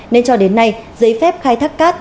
nên cho đến nay giấy phép khai thác cát